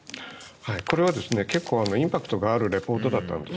これは結構インパクトがあるリポートだったんです。